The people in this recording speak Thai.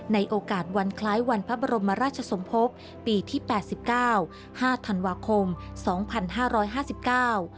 ในโอกาสวันคล้ายวันพระบรมราชสมภพปีที่แปดสิบเก้าห้าธันวาคมสองพันห้าร้อยห้าสิบเก้า